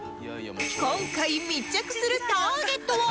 今回密着するターゲットは